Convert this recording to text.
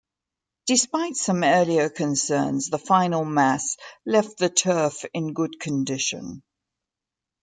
Despite some earlier concerns the final mass left the turf in good condition.